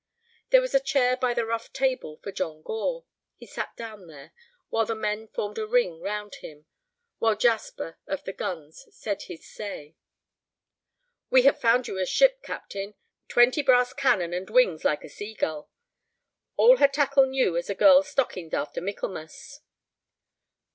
There was a chair by the rough table for John Gore. He sat down there, while the men formed a ring round him, while Jasper of the guns said his say. "We have found you a ship, captain: twenty brass cannon and wings like a sea gull. All her tackle new as a girl's stockings after Michaelmas."